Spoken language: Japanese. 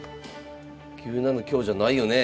９七香じゃないよねえ？